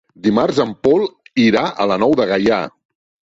Dimarts en Pol irà a la Nou de Gaià.